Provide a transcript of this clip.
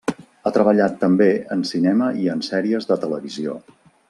Ha treballat també en cinema i en sèries de televisió.